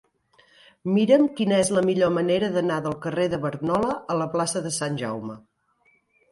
Mira'm quina és la millor manera d'anar del carrer de Barnola a la plaça de Sant Jaume.